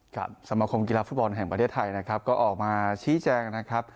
สมคมกีฬาฟุตบอลแห่งประเทศไทยนะครับก็ออกมาชี้แจงนะครับ